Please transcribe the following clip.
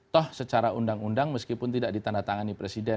toh secara undang undang meskipun tidak ditandatangani presiden